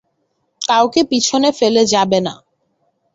কাউকে পিছনে ফেলে যাবে না।